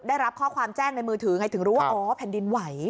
ได้รับข้อความแจ้งในมือถือไงถึงรู้ว่าอ๋อแผ่นดินไหว